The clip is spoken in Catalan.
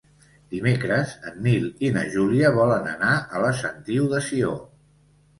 Dimecres en Nil i na Júlia volen anar a la Sentiu de Sió.